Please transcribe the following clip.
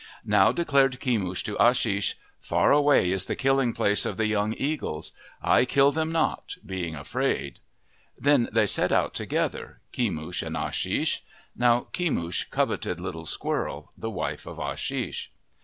Now declared Kemush to Ashish, " Far away is the killing place of the young eagles. I kill them not, being afraid." Then they set out together, Kemush and Ashish. Now Kemush coveted Little Squirrel, the wife of Ashish.